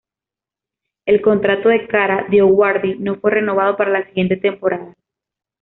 El contrato de Kara DioGuardi no fue renovado para la siguiente temporada.